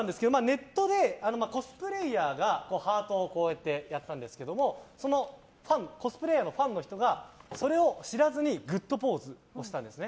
ネットでコスプレイヤーがハートをやったんですけどそのコスプレイヤーのファンの人がそれを知らずにグッドポーズをしたんですね。